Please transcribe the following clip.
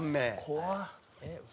怖っ。